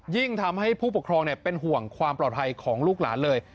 ยิ่งทำให้ผู้ปกครองเป็นห่วงความปลอดภัยของลูกหลานเลย